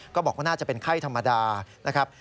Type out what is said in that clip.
บอกว่าน่าจะเป็นไข้ธรรมดานะครับ